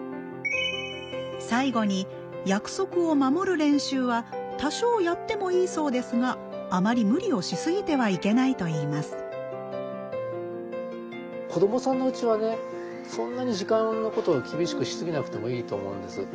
最後に約束を守る練習は多少やってもいいそうですがあまり無理をしすぎてはいけないといいます子どもさんのうちはねそんなに時間のことを厳しくしすぎなくてもいいと思うんです。